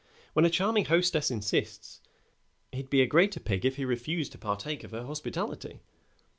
When a charming hostess insists, he'd be a greater pig if he refused to partake of her hospitality.